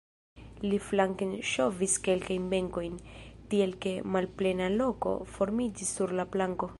Li flanken ŝovis kelkajn benkojn, tiel ke malplena loko formiĝis sur la planko.